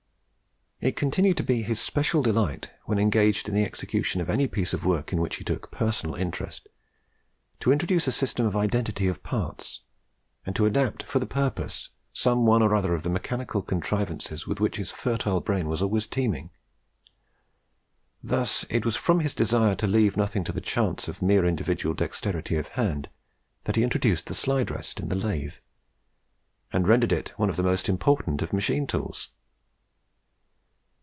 It continued to be his special delight, when engaged in the execution of any piece of work in which he took a personal interest, to introduce a system of identity of parts, and to adapt for the purpose some one or other of the mechanical contrivances with which his fertile brain was always teeming. Thus it was from his desire to leave nothing to the chance of mere individual dexterity of hand that he introduced the slide rest in the lathe, and rendered it one of the most important of machine tools.